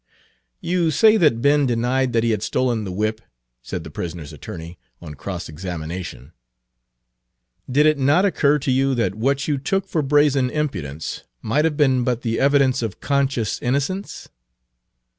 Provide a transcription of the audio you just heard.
"You say that Ben denied that he had stolen the whip," said the prisoner's attorney, on cross examination." Did it not occur to you that what you took for brazen impudence Page 302 might have been but the evidence of conscious innocence?"